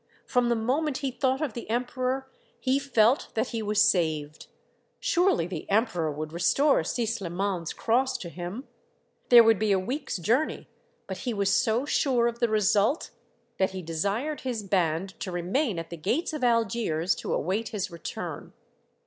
From the moment he thought of the Emperor, he felt that he was 152 Monday Tales, saved. Surely the Emperor would restore Si Sliman's cross to him. There would be a week's journey, but he was so sure of the result that he desired his band to remain at the gates of Algiers to await his return.